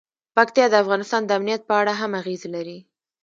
پکتیا د افغانستان د امنیت په اړه هم اغېز لري.